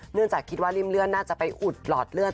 เนื่องจากคิดว่าริ่มเลือดน่าจะไปอุดหลอดเลือด